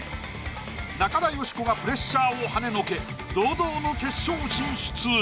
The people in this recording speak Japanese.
中田喜子がプレッシャーをはねのけ堂々の決勝進出。